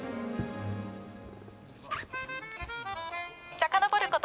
さかのぼること